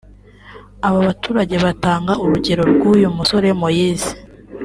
Aba baturage bagatanga urugero rw’uyu musore Moise